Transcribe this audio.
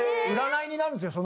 占いになるんですよ